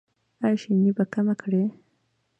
ایا شیریني به کمه کړئ؟